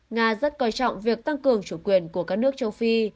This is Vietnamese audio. nga rất coi trọng việc tăng cường chủ quyền của các nước châu phi